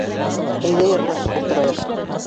Әйҙә, йырлашып ултырайыҡ.